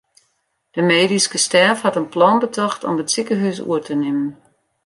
De medyske stêf hat in plan betocht om it sikehús oer te nimmen.